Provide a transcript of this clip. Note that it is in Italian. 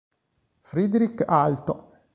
Fredrik Aalto